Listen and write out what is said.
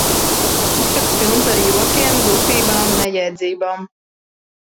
Tiktoks pilns ar jokiem, glupībām, nejēdzībām.